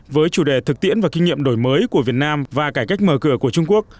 với chủ đề thực tiễn và kinh nghiệm đổi mới của việt nam và cải cách mở cửa của trung quốc